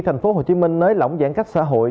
thành phố hồ chí minh nới lỏng giãn cách xã hội